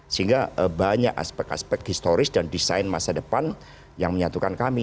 sehingga banyak aspek aspek historis dan desain masa depan yang menyatukan kami